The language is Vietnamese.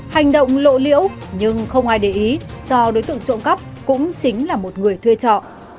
hành động lộ liễu nhưng không ai để ý do đối tượng trộm cắp cũng chính là một người thuê trọ